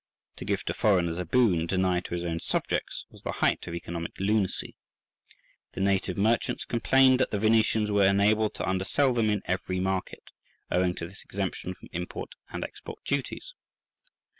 To give to foreigners a boon denied to his own subjects was the height of economic lunacy; the native merchants complained that the Venetians were enabled to undersell them in every market, owing to this exemption from import and export duties.